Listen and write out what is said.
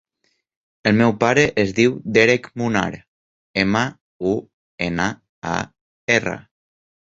El meu pare es diu Derek Munar: ema, u, ena, a, erra.